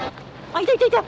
いたいたいた！